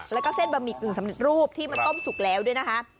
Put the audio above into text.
แล้วก็เส้นบะหมี่กึ่งสำเร็จรูปที่มันต้มสุกแล้วด้วยนะคะ